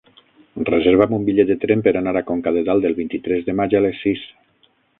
Reserva'm un bitllet de tren per anar a Conca de Dalt el vint-i-tres de maig a les sis.